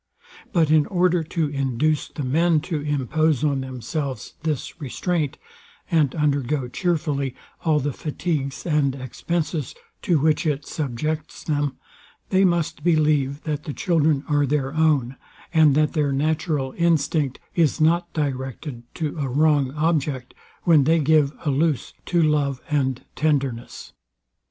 But in order to induce the men to impose on themselves this restraint, and undergo chearfully all the fatigues and expences, to which it subjects them, they must believe, that the children are their own, and that their natural instinct is not directed to a wrong object, when they give a loose to love and tenderness.